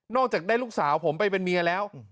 จากได้ลูกสาวผมไปเป็นเมียแล้ว